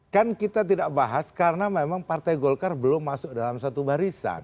kan kita tidak bahas karena memang partai golkar belum masuk dalam satu barisan